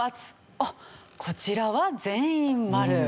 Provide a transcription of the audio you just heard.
あっこちらは全員マル。